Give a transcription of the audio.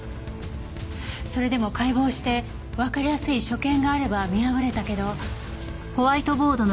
それでも解剖してわかりやすい所見があれば見破れたけど。